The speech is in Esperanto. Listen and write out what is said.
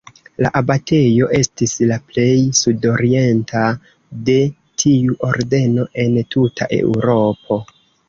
La abatejo estis la plej sudorienta de tiu ordeno en tuta Eŭropo.